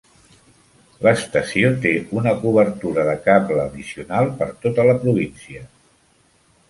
L'estació té una cobertura de cable addicional per tota la província.